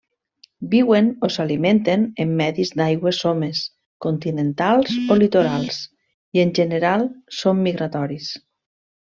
Viuen o s'alimenten en medis d'aigües somes, continentals o litorals, i en general són migratoris.